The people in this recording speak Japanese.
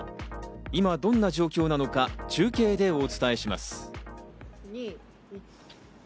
今どんな状況なのか中継でお伝えします。